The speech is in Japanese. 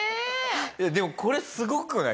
でもこれすごくない？